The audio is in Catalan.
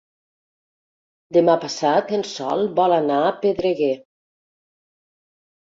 Demà passat en Sol vol anar a Pedreguer.